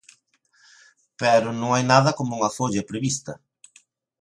Pero non hai nada como unha folla prevista.